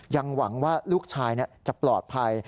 หวังว่าลูกชายจะปลอดภัย